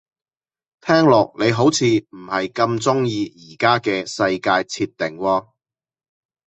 聽落你好似唔係咁鍾意而家嘅世界設定喎